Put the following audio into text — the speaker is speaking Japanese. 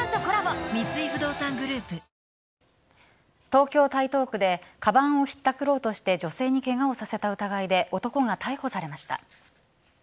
東京・台東区でかばんをひったくろうとして女性にケガをさせた疑いで男が逮捕されました。